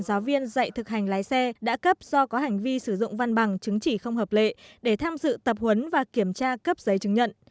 giáo viên dạy thực hành lái xe đã cấp do có hành vi sử dụng văn bằng chứng chỉ không hợp lệ để tham dự tập huấn và kiểm tra cấp giấy chứng nhận